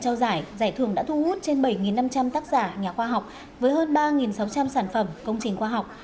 trao giải giải thưởng đã thu hút trên bảy năm trăm linh tác giả nhà khoa học với hơn ba sáu trăm linh sản phẩm công trình khoa học